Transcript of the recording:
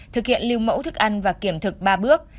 thực hiện lưu mẫu thức ăn và kiểm thực ba bước